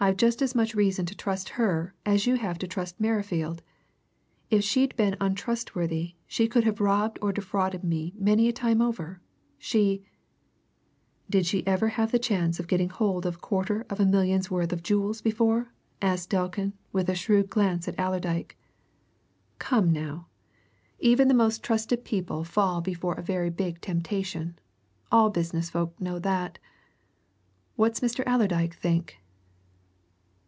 I've just as much reason to trust her as you have to trust Merrifield. If she'd been untrustworthy, she could have robbed or defrauded me many a time over; she " "Did she ever have the chance of getting hold of a quarter of a million's worth of jewels before?" asked Delkin with a shrewd glance at Allerdyke. "Come, now! Even the most trusted people fall before a very big temptation. All business folk know that. What's Mr. Allerdyke think?"